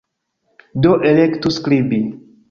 Do, elektu "skribi"